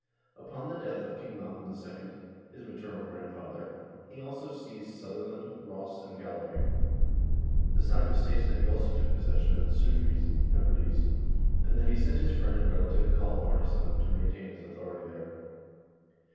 Upon the death of King Malcolm II., his maternal grandfather, he also seized Sutherland, Ross, and Galloway. The saga states that he also took possession of the Sudr eys (Hebrides), and that he sent his friend and relative Kalv Arnes son to maintain his authority there.